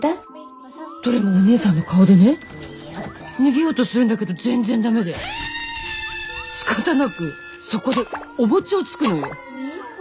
どれもお姉さんの顔でね逃げようとするんだけど全然ダメでしかたなくそこでお餅をつくのよ。